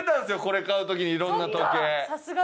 これ買う時に色んな時計。